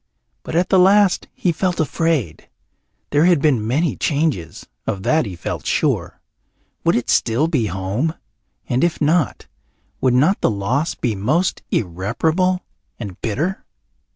But at the last he felt afraid. There had been many changes, of that he felt sure. Would it still be home? And if not, would not the loss be most irreparable and bitter?